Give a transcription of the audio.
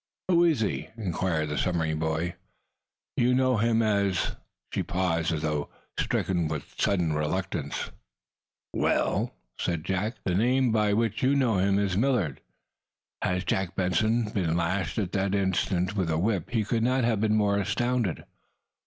"Who is he?" inquired the submarine boy. "You know him as " She paused, as though stricken with sudden reluctance. "Well?" "The name by which you know him is Millard." Had Jack Benson been lashed at that instant with a whip he could not have been more astounded.